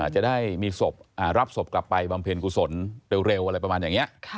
จะได้มีศพรับศพกลับไปบำเพ็ญกุศลเร็วอะไรประมาณอย่างนี้